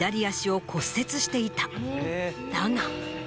だが。